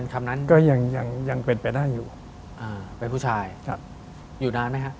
ก็ยังเป็นไปได้อยู่